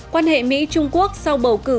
quan hệ mỹ trung quốc sau bầu cử